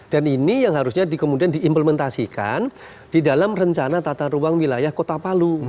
dan ini yang harusnya kemudian diimplementasikan di dalam rencana tata ruang wilayah kota palu